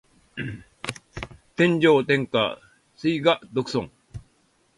天上天下唯我独尊